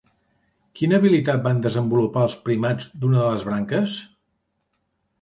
Quina habilitat van desenvolupar els primats d'una de les branques?